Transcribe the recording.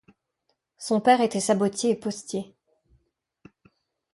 Son père était sabotier et postier.